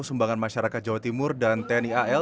sumbangan masyarakat jawa timur dan tni al